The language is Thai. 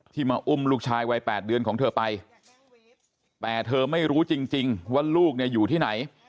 มาอุ้มลูกชายวัย๘เดือนของเธอไปแต่เธอไม่รู้จริงว่าลูกเนี่ยอยู่ที่ไหน